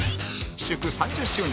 祝３０周年！